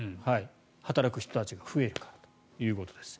働く人たちが増えるからということです。